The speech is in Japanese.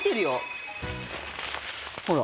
ほら。